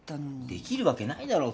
できるわけないだろ。